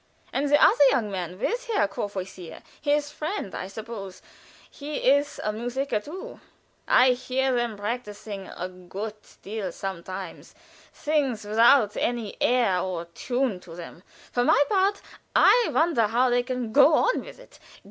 And the other young man with Herr Courvoisier his friend, I suppose he is a musiker too. I hear them practicing a good deal sometimes things without any air or tune to them; for my part I wonder how they can go on with it.